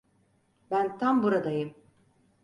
Ben tam buradayım.